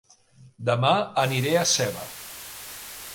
Dema aniré a Seva